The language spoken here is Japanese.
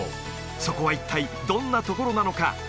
そこは一体どんなところなのか？